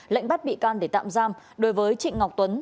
lệnh bắt bị can để tạm giam đối với trịnh ngọc tuấn